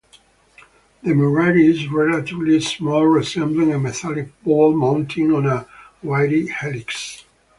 The Mirari is relatively small, resembling a metallic ball mounted on a wiry helix.